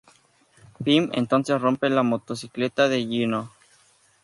Pim entonces rompe la motocicleta de Gino.